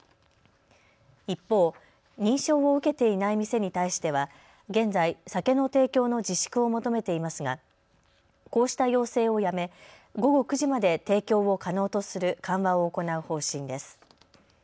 一方、認証を受けていない店に対しては現在、酒の提供の自粛を求めていますがこうした要請をやめ、午後９時まで提供を可能とする緩和を行う方針です。